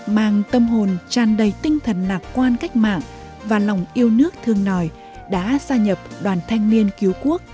mang tâm hồn tràn đầy tinh thần lạc quan cách mạng và lòng yêu nước thương nòi đã gia nhập đoàn thanh niên cứu quốc